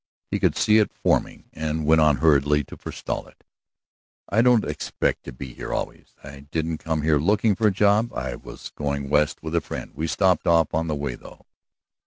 He could see it forming, and went on hurriedly to forestall it. "I don't expect to be here always! I didn't come here looking for a job. I was going West with a friend; we stopped off on the way through."